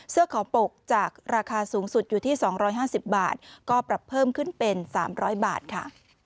เสื้อขาวปกจากราคาสูงสุดอยู่ที่สองร้อยห้าสิบบาทก็ปรับเพิ่มขึ้นเป็นสามร้อยบาทค่ะ